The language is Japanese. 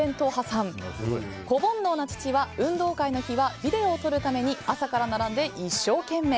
子煩悩な父は運動会の日はビデオを撮るために朝から並んで一生懸命。